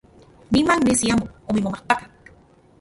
Niman nesi amo omimomajpakak.